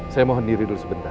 saya mohon diri dulu sebentar